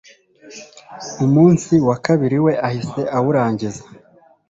umunsi wakabiri we ahise awurangiza